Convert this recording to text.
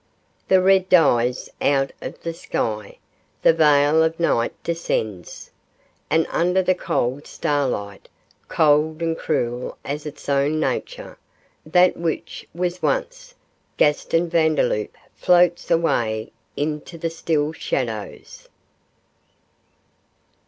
The red dies out of the sky, the veil of night descends, and under the cold starlight cold and cruel as his own nature that which was once Gaston Vandeloup floats away into the still shadows.